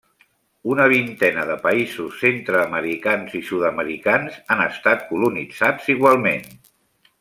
Una vintena de països centre-americans i sud-americans han estat colonitzats igualment.